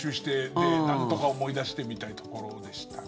で、なんとか思い出してみたいなところでしたね。